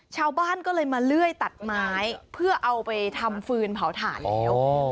ชาวบ้านก็เลยมาเลื่อยตัดไม้เพื่อเอาไปทำฟืนเผาถ่านแล้ว